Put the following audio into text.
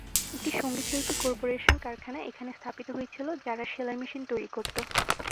একটি "সঙ্গীতশিল্পী কর্পোরেশন" কারখানা এখানে স্থাপিত হয়েছিল যারা সেলাই মেশিন তৈরী করত।